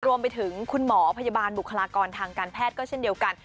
รวมไปถึงคุณหมอพยาบาลบุคลากรทางการแพทย์ก็เช่นเดียวกัน